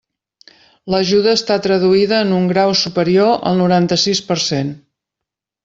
L'ajuda està traduïda en un grau superior al noranta-sis per cent.